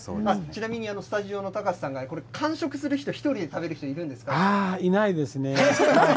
ちなみにスタジオの高瀬さんが、これ、完食する人、１人で食いないですね。